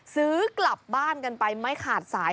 ซื้อกลับบ้านกันไปไม่ขาดสาย